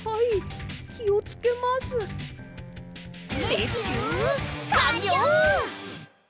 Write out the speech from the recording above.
レスキューかんりょう！